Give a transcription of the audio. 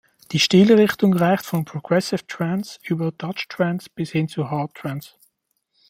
Die Stilrichtung reicht von Progressive Trance über Dutch Trance bis hin zu Hard Trance.